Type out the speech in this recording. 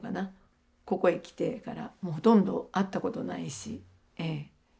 ここへ来てからもうほとんど会ったことないしええ。